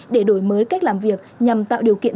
để đổi mới cách làm việc nhằm tạo điều kiện